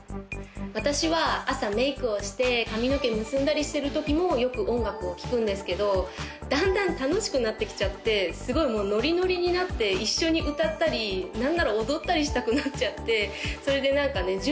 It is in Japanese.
私は朝メークをして髪の毛結んだりしてるときもよく音楽を聴くんですけどだんだん楽しくなってきちゃってすごいもうノリノリになって一緒に歌ったり何なら踊ったりしたくなっちゃってそれで何かね